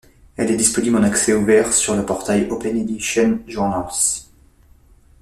Elle est disponible en accès ouvert, sur le portail OpenEdition Journals.